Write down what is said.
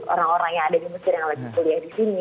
orang orang yang ada di mesir yang lagi kuliah di sini